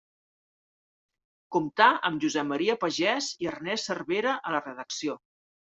Comptà amb Josep Maria Pagès i Ernest Cervera a la redacció.